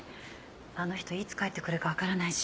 あの人いつ帰ってくるかわからないし。